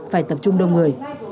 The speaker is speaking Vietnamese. phải tập trung đông người